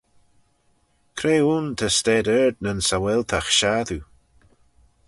Cre ayn ta stayd ard nyn saualtagh shassoo?